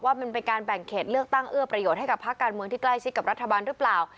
มันเป็นการแบ่งเขตเลือกตั้งเอื้อประโยชน์ให้กับภาคการเมืองที่ใกล้ชิดกับรัฐบาลหรือเปล่า